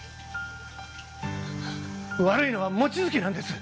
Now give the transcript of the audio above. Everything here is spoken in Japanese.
悪いのは望月なんです！